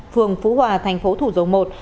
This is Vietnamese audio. phường phú hòa thành phố thủ dầu một